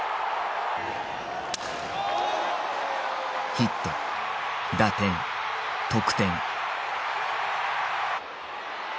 ヒット打点得点。